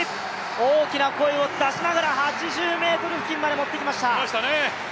大きな声を出しながら８０ｍ付近までもってきました。